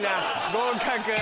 合格！